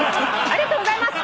ありがとうございます。